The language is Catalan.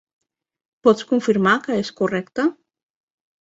Pots confirmar que és correcte?